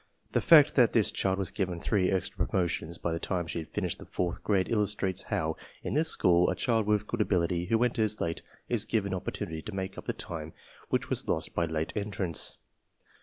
The fact that this child was given three extra promotions by the time she had finished the fourth grade illustrates how, in this school, a child with good ability who enters late is given opportunity to make up the time which was lost by late entrance.